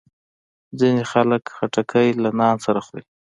ځینې خلک خټکی له نان سره خوري.